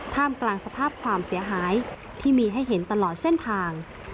กลางสภาพความเสียหายที่มีให้เห็นตลอดเส้นทาง